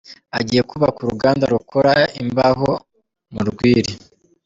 Agiye kubaka uruganda rukora imbaho mu rwiri.